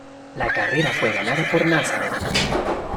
La carrera fue ganada por Nazzaro.